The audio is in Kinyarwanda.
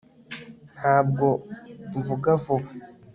Ntabwo mvuga vuba